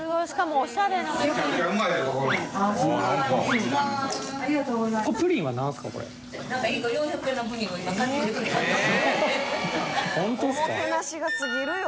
おもてなしが過ぎるよ。